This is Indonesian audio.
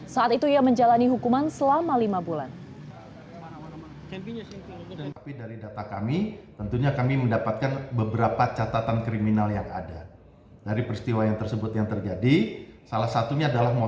saat itu ia menjalani hukuman selama lima bulan